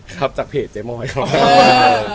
ครับจากเพจเจ๊มอยครับ